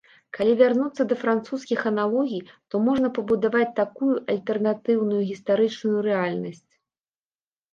Калі вярнуцца да французскіх аналогій, то можна пабудаваць такую альтэрнатыўную гістарычную рэальнасць.